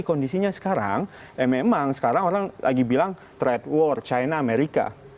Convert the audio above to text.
kondisinya sekarang memang sekarang orang lagi bilang trade war china amerika